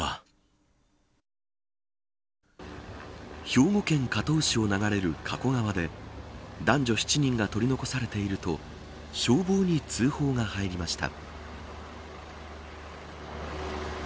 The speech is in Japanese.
兵庫県加東市を流れる加古川で男女７人が取り残されていると消防に通報が入りました。